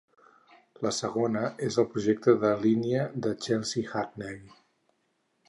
La segona és el projecte de línia de Chelsea-Hackney.